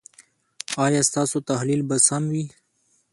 ایا ستاسو تحلیل به سم وي؟